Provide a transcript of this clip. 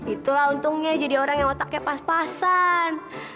itulah untungnya jadi orang yang otaknya pas pasan